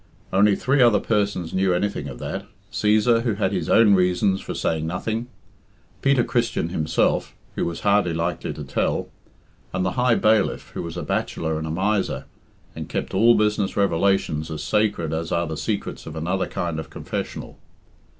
Only three other persons knew anything of that Cæsar, who had his own reasons for saying nothing; Peter Christian himself, who was hardly likely to tell; and the High Bailiff, who was a bachelor and a miser, and kept all business revelations as sacred as are the secrets of another kind of confessional.